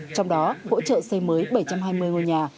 trong đó hỗ trợ xây mới bảy trăm hai mươi ngôi nhà